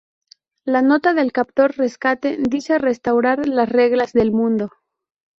La nota del captor rescate dice "restaurar las reglas del mundo".